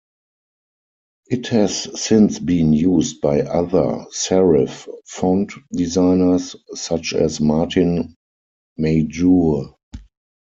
It has since been used by other serif font designers such as Martin Majoor.